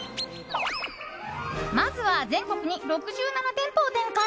まずは全国に６７店舗を展開